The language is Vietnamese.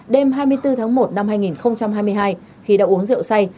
đêm hai mươi bốn tháng một năm hai nghìn hai mươi hai khi đã uống rượu say